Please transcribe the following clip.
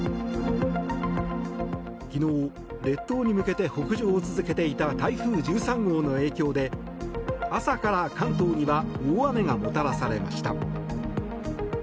昨日、列島に向けて北上を続けていた台風１３号の影響で朝から関東には大雨がもたらされました。